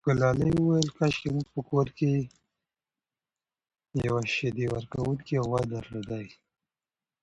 ګلالۍ وویل کاشکې مو په کور کې یوه شیدې ورکوونکې غوا درلودای.